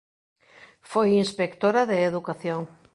Foi Inspectora de Educación.